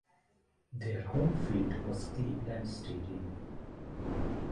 Their home field was Cleveland Stadium.